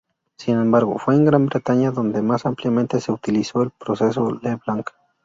Sin embargo, fue en Gran Bretaña donde más ampliamente se utilizó el proceso Leblanc.